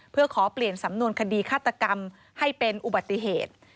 เพื่อขอเปลี่ยนสำนวนคดีฆาตกรรมให้เป็นอุบัติเหตุ